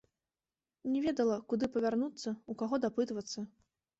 Не ведала, куды павярнуцца, у каго дапытвацца.